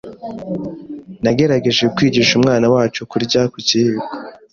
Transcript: Nagerageje kwigisha umwana wacu kurya ku kiyiko.